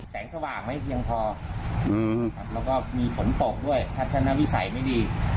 แสงสว่างไม่เพียงพอแล้วก็มีฝนตกด้วยทัศนวิสัยไม่ดี